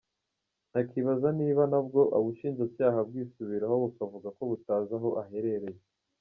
Akibaza niba na bwo ubushinjacyaha bwisubiraho bukavuga ko butazi aho aherereye.